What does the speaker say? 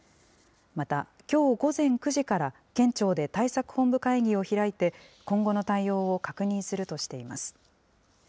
また、きょう午前９時から県庁で対策本部会議を開いて、今後の対応を確認するとしています。